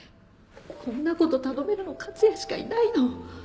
こんな事頼めるのは克也しかいないの！